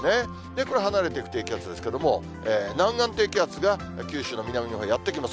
これ、離れていく低気圧ですけれども、南岸低気圧が九州の南のほうへやって来ます。